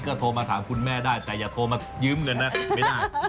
ก็โทรมาถามคุณแม่ได้แต่อย่าโทรมายืมเงินนะไม่ได้